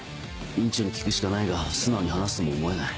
院長に聞くしかないが素直に話すとも思えない。